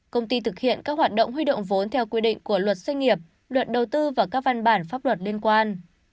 công ty thực hiện các hoạt động huy động vốn theo quy định của luật doanh nghiệp luật đầu tư và các văn bản pháp luật liên quan